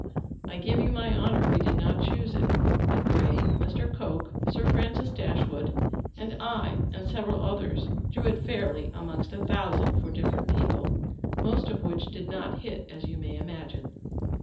I give you my honour we did not choose it; but Gray, Mr. Coke, Sir Francis Dashwood, and I, and several others, drew it fairly amongst a thousand for different people, most of which did not hit as you may imagine."